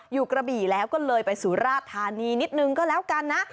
กระบี่แล้วก็เลยไปสุราธานีนิดนึงก็แล้วกันนะ